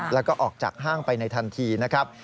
แล้วก็ออกจากห้างไปในทันทีนะครับ